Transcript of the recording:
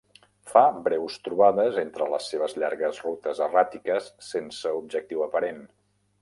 Fa breus trobades entre les seves llargues rutes erràtiques sense objectiu aparent.